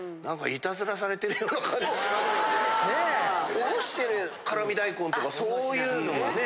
おろして辛味大根とかそういうのをね